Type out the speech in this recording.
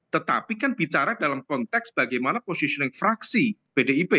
tetapi kan bicara dalam konteks bagaimana positioning fraksi pdip